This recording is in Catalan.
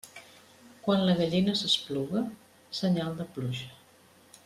Quan la gallina s'espluga, senyal de pluja.